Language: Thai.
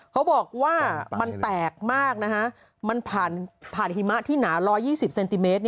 เขาบอกว่ามันแตกมากนะฮะมันผ่านผ่านหิมะที่หนา๑๒๐เซนติเมตร